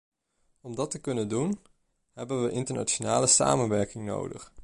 Om dat te kunnen doen, hebben we internationale samenwerking nodig.